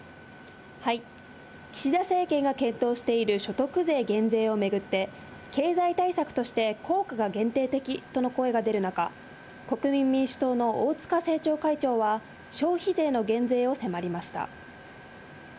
岸田政権が検討している所得税減税を巡って、経済対策として効果が限定的との声が出る中、国民民主党の大塚政調会長は、消費税の減税を迫りました。